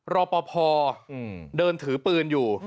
รอปภเดินถือปืนอยู่